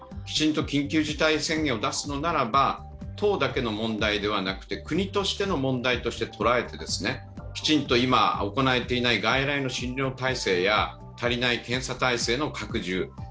きちんと緊急事態宣言を出すのならば党だけの問題ではなくて国としての問題としてとらえてきちんと今行えていない外来の診療体制や足りない検査体制の拡充